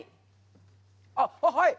あっ、はい。